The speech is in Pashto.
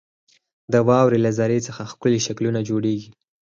• د واورې له ذرې څخه ښکلي شکلونه جوړېږي.